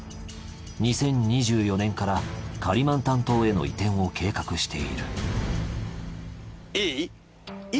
２０２４年からカリマンタン島への移転を計画しているいい？